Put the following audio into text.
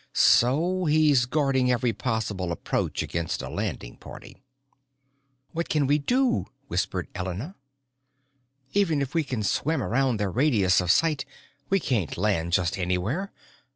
So he's guarding every possible approach against a landing party." "What can we do?" whispered Elena. "Even if we can swim around their radius of sight we can't land just anywhere.